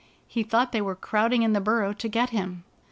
He thought they were crowding in the burrow to get him.